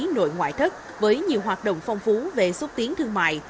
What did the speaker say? nội ngoại thất với nhiều hoạt động phong phú về xúc tiến thương mại